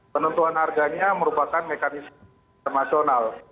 penentuan harganya merupakan mekanisme internasional